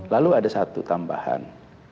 lalu ada satu tambahan